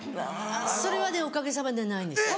それはねおかげさまでないんですよ